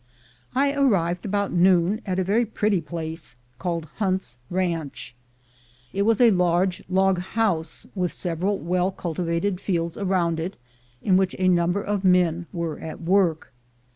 I arrived about noon at a very pretty place called Hunt's Ranch. It was a large log house, with several well cultivated fields around it, in which a number of men were at work.